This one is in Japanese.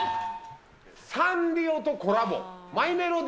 サンリオとコラボ。